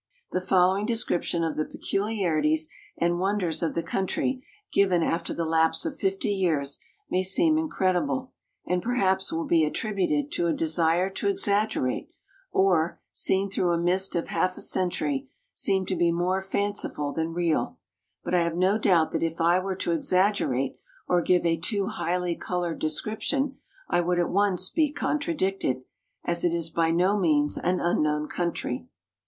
The following description of the pecu liarities and wonders of the country, given after the lapse of fifty years, may seem incredible, and perhaps will be attributed to a desire to exaggerate, or, seen through a mist of half a century, seem to be more fanciful than real ; but I have no doubt that if I were to exaggerate or give a too highly colored description I would at once be con tradicted, as it is by no means an unknown country.